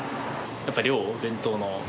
やっぱ量、お弁当の。